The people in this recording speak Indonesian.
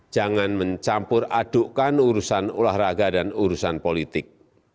jangan mencampur adukkan urusan olahraga dan urusan politik